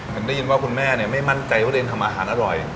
ได้ยินว่าคุณแม่ไม่มั่นใจว่าตัวเองทำอาหารอร่อย